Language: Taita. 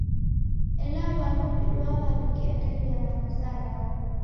Ela w'andu w'iduagha w'ikiendelia na maza raw'o.